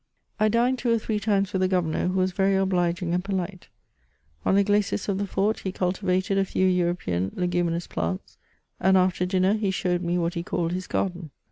I dined two or three times with the Governor, who was very obliging and polite. On a glacis of the fort he cultivated a &w European » leguminous plants ; and after dinner he showed me what he called his garden.